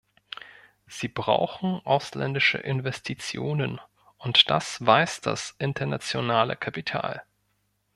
Sie brauchen ausländische Investitionen, und das weiß das internationale Kapital.